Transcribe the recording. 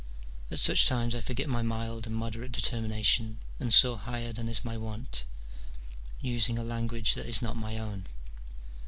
At such times I forget my mild and moderate determination and soar higher than is my wont, using a language that is not my own.